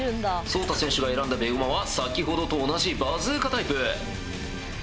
そうた選手が選んだベーゴマは先ほどと同じバズーカタイプ！